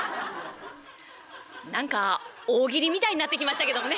「何か大喜利みたいになってきましたけどもね。